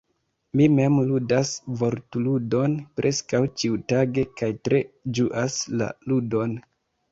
Mi mem ludas Vortludon preskaŭ ĉiutage kaj tre ĝuas la ludon.